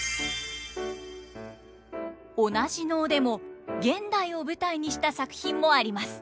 同じ能でも現代を舞台にした作品もあります。